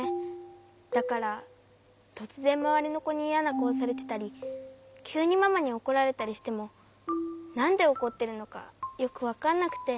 だからとつぜんまわりのこにイヤなかおされてたりきゅうにママにおこられたりしてもなんでおこってるのかよくわかんなくて。